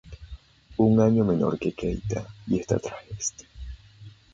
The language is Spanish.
Un año menor que Keita y que esta tras este.